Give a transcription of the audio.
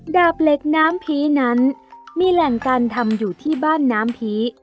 ดาบเหล็กน้ำผีนั้นมีแหล่งการทำอยู่ที่บ้านน้ำผี